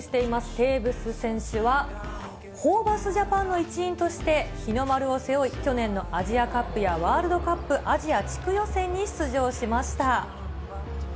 テーブス選手は、ホーバスジャパンの一員として日の丸を背負い、去年のアジアカップやワールドカップアジア地区予選に出場しました。